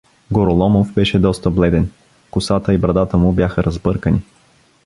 Гороломов беше доста бледен, косата и брадата му бяха разбъркани.